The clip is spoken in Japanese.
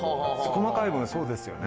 細かい分そうですよね。